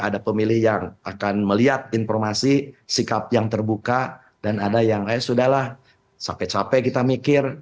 ada pemilih yang akan melihat informasi sikap yang terbuka dan ada yang sudah lah sakit capek kita mikir